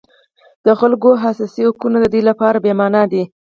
د خلکو اساسي حقونه د دوی لپاره بېمعنا دي.